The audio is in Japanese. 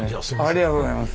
ありがとうございます。